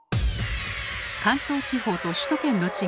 関東地方と首都圏の違い